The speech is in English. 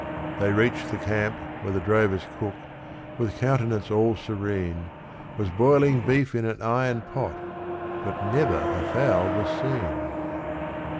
They reached the camp, where the drover's cook, with countenance all serene, Was boiling beef in an iron pot, but never a fowl was seen.